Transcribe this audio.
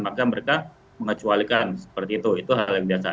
maka mereka mengecualikan seperti itu itu hal yang biasa